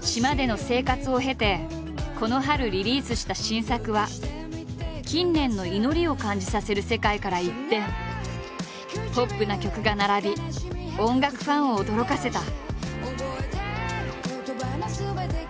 島での生活を経てこの春リリースした新作は近年の祈りを感じさせる世界から一転ポップな曲が並び音楽ファンを驚かせた。